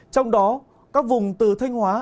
trong đó các vùng từ thanh hóa